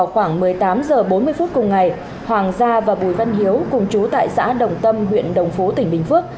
khoảng một mươi tám h bốn mươi phút cùng ngày hoàng gia và bùi văn hiếu cùng chú tại xã đồng tâm huyện đồng phú tỉnh bình phước